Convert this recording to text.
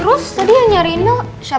terus tadi yang nyariin mel siapa